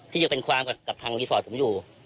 ยังเป็นความกับทางรีสอร์ทผมอยู่